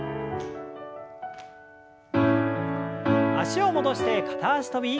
脚を戻して片脚跳び。